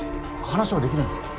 話はできるんですか？